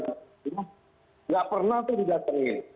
jakarta enggak pernah itu di jakarta ini